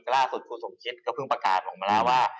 ล่าสุดกูสิ้มคิดก็เพิ่งประการบอกมายานว่า